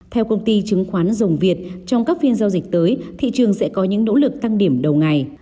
theo công ty chứng khoán dùng việt trong các phiên giao dịch tới thị trường sẽ có những nỗ lực tăng điểm đầu ngày